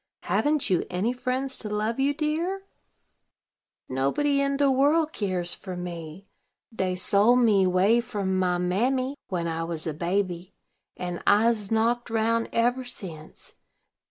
Haven't you any friends to love you, dear?" "Nobody in de world keres fer me. Dey sold me way from my mammy when I was a baby, and I'se knocked roun eber since.